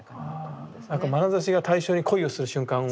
まなざしが対象に恋をする瞬間を。